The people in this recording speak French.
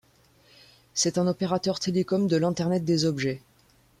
C'est un opérateur télécom de l'Internet des objets.